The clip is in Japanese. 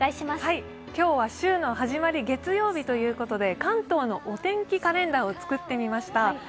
今日は週のはじまり月曜日ということで関東のお天気カレンダーを作ってみました。